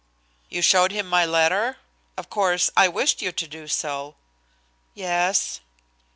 "You showed him my letter? Of course, I wished you to do so." "Yes."